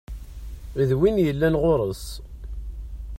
D win yellan ɣur-s.